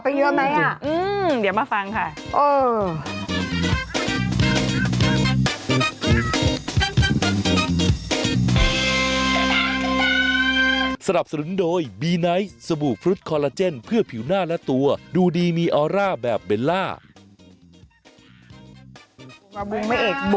เอาไปเยอะไหมอืมเดี๋ยวมาฟังค่ะอืม